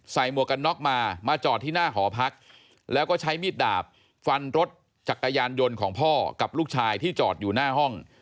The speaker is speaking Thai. หมวกกันน็อกมามาจอดที่หน้าหอพักแล้วก็ใช้มีดดาบฟันรถจักรยานยนต์ของพ่อกับลูกชายที่จอดอยู่หน้าห้อง